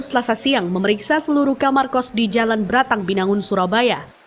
selasa siang memeriksa seluruh kamar kos di jalan beratang binangun surabaya